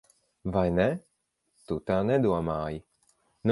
Vai ne? Tu tā nedomāji.